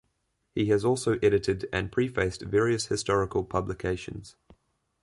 He has also edited and prefaced various historical publications.